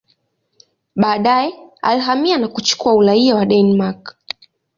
Baadaye alihamia na kuchukua uraia wa Denmark.